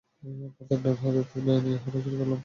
পাথর ডান হাতে তুলে নিয়ে হাঁটা শুরু করলাম।